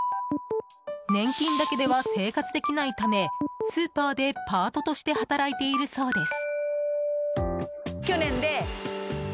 年金だけでは生活できないためスーパーでパートとして働いているそうです。